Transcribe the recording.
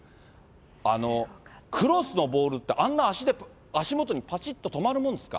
あのクロスのボールって、あんな足元にぱちっと止まるものですか？